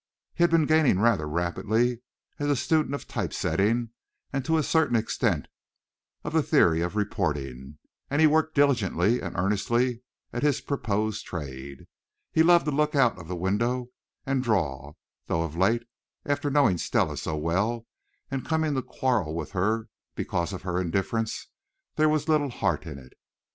He had been gaining rather rapidly as a student of type setting, and to a certain extent of the theory of reporting, and he worked diligently and earnestly at his proposed trade. He loved to look out of the window and draw, though of late, after knowing Stella so well and coming to quarrel with her because of her indifference, there was little heart in it.